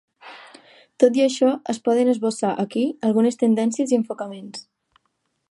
Tot i això, es poden esbossar aquí algunes tendències i enfocaments.